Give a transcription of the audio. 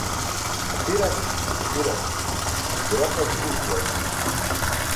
Apiraq apiraq, biraqa ke ulo guwaljuma.